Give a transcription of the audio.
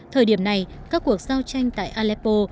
thời điểm này các cuộc giao tranh tại aleppo